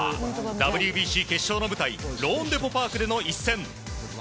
ＷＢＣ決勝の舞台ローンデポ・パークでの一戦。